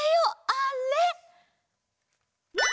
あれ！